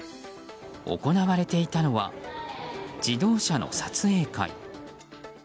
行われていたのは自動車の撮影会。